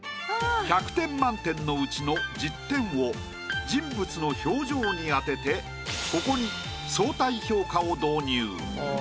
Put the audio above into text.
１００点満点のうちの１０点を人物の表情に充ててここに相対評価を導入。